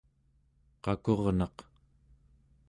qakurnaq